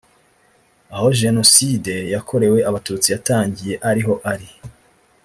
aho Jenoside yakorewe Abatutsi yatangiye ari ho ari